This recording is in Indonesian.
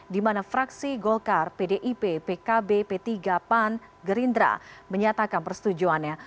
di mana fraksi golkar pdip pkb p tiga pan gerindra menyatakan persetujuannya